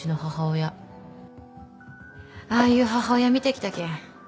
ああいう母親見てきたけん